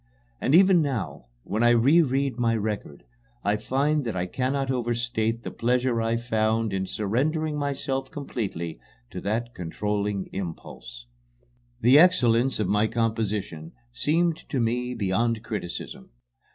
And even now, when I reread my record, I feel that I cannot overstate the pleasure I found in surrendering myself completely to that controlling impulse. The excellence of my composition seemed to me beyond criticism.